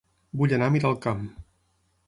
Vull anar a Miralcamp